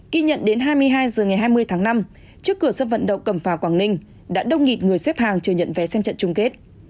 ghi nhận đến hai mươi hai giờ ngày hai mươi tháng năm trước cửa xâm vận động cầm phà quảng ninh đã đông nghịt người xếp hàng chưa nhận vé xem trận chung kết